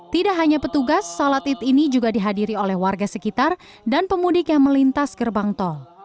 tidak hanya petugas salat id ini juga dihadiri oleh warga sekitar dan pemudik yang melintas gerbang tol